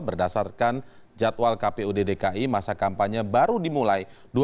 berdasarkan jadwal kpud dki masa kampanye baru dimulai